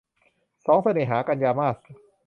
สองเสน่หา - กันยามาส